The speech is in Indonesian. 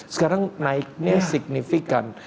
sekarang naiknya signifikan